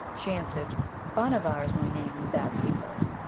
She answered, 'Bhanavar is my name with that people.'